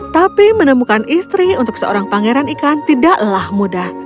tapi menemukan istri untuk seorang pangeran ikan tidaklah mudah